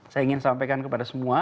saya ingin sampaikan kepada semua